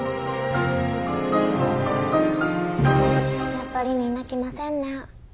やっぱりみんな来ませんね。